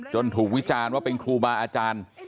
ถูกวิจารณ์ว่าเป็นครูบาอาจารย์